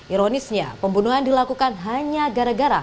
ironisnya pembunuhan dilakukan hanya gara gara